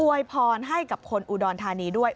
วยพรให้กับคนอุดรธานีด้วย